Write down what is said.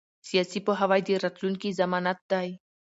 سیاسي پوهاوی د راتلونکي ضمانت دی